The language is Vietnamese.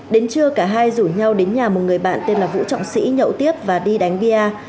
đến trưa cả hai rủ nhau đến nhà một người bạn tên là vũ trọng sĩ nhậu tiếp và đi đánh bia